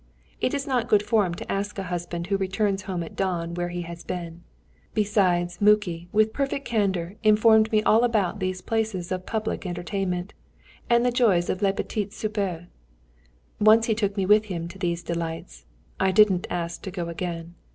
It is not good form to ask a husband who returns home at dawn where he has been. Besides, Muki, with perfect candour, informed me all about these places of public entertainment and the joys of les petits soupers; once he took me with him to these delights I didn't ask to go again....